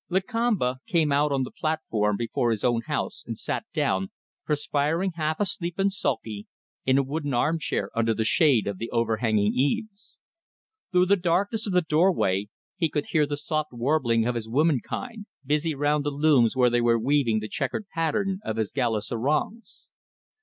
Lakamba came out on the platform before his own house and sat down perspiring, half asleep, and sulky in a wooden armchair under the shade of the overhanging eaves. Through the darkness of the doorway he could hear the soft warbling of his womenkind, busy round the looms where they were weaving the checkered pattern of his gala sarongs.